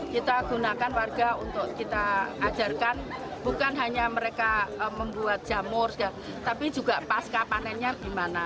kita gunakan warga untuk kita ajarkan bukan hanya mereka membuat jamur tapi juga pasca panennya gimana